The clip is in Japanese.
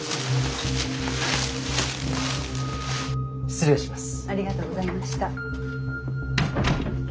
失礼します。